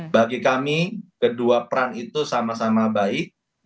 bagi kami kedua peran itu sama sama baik